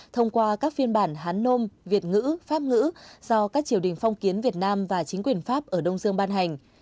thông qua các phiên bản hán nôm việt ngữ pháp ngữ do các triều đình phong kiến việt nam và chính quyền pháp ở đông dương ban hành